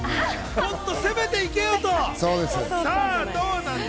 もっと攻めていけよ！って？